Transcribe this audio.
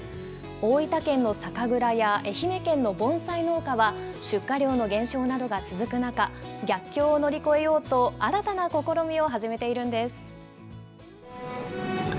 大分県の酒蔵や、愛媛県の盆栽農家は、出荷量の減少などが続く中、逆境を乗り越えようと新たな試み